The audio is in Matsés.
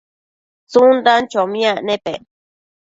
tsundan chomiac nepec